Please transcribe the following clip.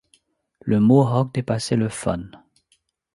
Le mohock dépassait le fun.